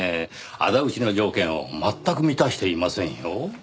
仇討ちの条件を全く満たしていませんよ。